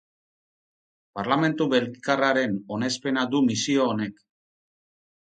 Parlamentu belgikarraren onespena du misio honek.